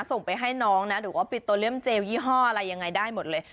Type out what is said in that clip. ส่งไปให้น้องนะหรือว่าปิโตเรียมเจลยี่ห้ออะไรยังไงได้หมดเลย